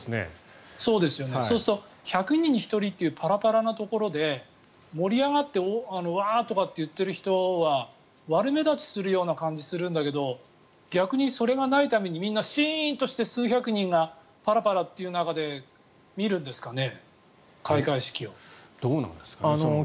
そうすると１００人に１人というパラパラなところで盛り上がってワーッって言っている人は悪目立ちするような感じがするんだけど逆にそれがないためにシーンとしてパラパラという中で見るんですかね、開会式は。